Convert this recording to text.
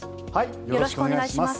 よろしくお願いします。